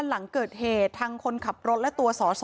หลังเกิดเหตุทางคนขับรถและตัวสอสอ